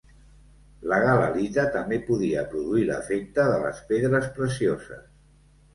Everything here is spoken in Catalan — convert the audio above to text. La galalita també podia produir l'efecte de les pedres precioses.